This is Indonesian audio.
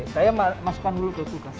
saya masukkan dulu ke tugas